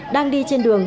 đang đi trên đường